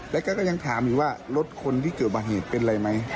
แล้วก็ก็ยังถามอยู่ว่ารถคนที่เกิดมาเหตุเป็นอะไรไหม